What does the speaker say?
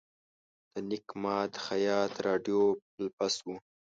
د نیک ماد خیاط راډیو فلپس وه.